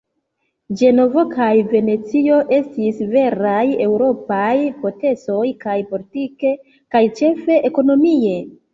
Ĝenovo kaj Venecio estis veraj eŭropaj potencoj kaj politike kaj ĉefe ekonomie.